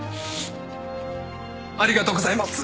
ありがとうございます！